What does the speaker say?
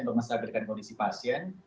untuk menstabilkan kondisi pasien